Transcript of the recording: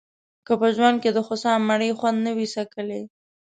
که په ژوند کې دخوسا مڼې خوند نه وي څکلی.